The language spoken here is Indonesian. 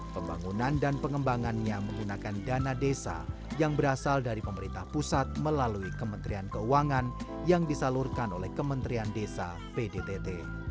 pembangunan dan pengembangannya menggunakan dana desa yang berasal dari pemerintah pusat melalui kementerian keuangan yang disalurkan oleh kementerian desa pdtt